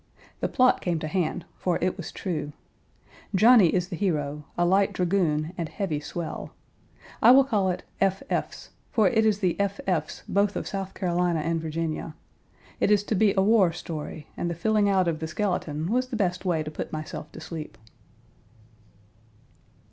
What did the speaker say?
The plot came to hand, for it was true. Johnny is the hero, a light dragoon and heavy swell. I will call it F. F.'s, for it is the F. F.'s both of South Carolina and Virginia. It is to be a war story, and the filling out of the skeleton was the best way to put myself to sleep.